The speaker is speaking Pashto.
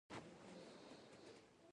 هغه ډېره سخته او بشپړه ماته وخوړه.